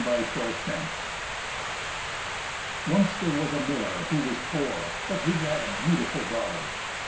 55 Rumpelstiltskin Once there was a miller who was poor, but who had a beautiful daughter.